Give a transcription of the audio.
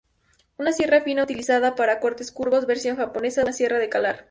Una sierra fina utilizada para cortes curvos, versión japonesa de una sierra de calar.